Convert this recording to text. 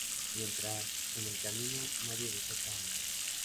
Mientras, en el camión, Marie desata a Alex.